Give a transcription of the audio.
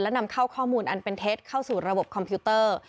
นำเข้าข้อมูลอันเป็นเท็จเข้าสู่ระบบคอมพิวเตอร์